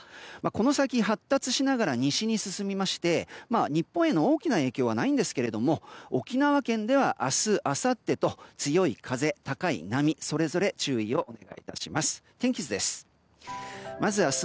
この先発達しながら西に進みまして日本への大きな影響はないんですけども沖縄県では明日、あさってと強い風、高い波それぞれ注意をお願いいたします。